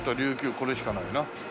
これしかないな。